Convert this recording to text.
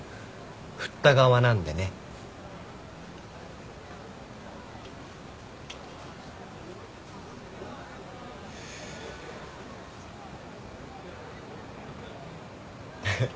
振った側なんでね。えっ？